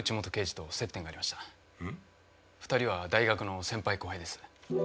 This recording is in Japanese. ２人は大学の先輩後輩です。